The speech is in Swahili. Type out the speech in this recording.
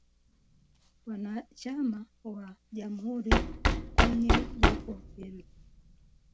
Wanachama wa jamhuri kwenye jopo hilo